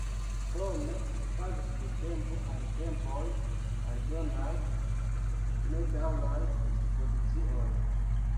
Krome okazas de tempo al tempoj aldonaj nedaŭraj ekspozicioj.